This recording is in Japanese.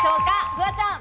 フワちゃん。